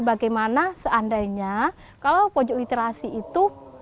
bagaimana seandainya kalau pojok literasi itu